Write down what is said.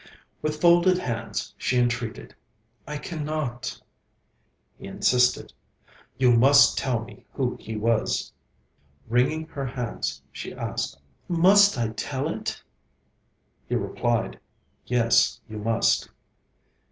With folded hands, she entreated: 'I cannot.' He insisted: 'You must tell me who he was.' Wringing her hands she asked: 'Must I tell it?' He replied: 'Yes, you must.'